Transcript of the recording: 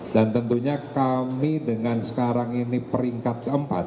dan tentunya kami dengan sekarang ini peringkat keempat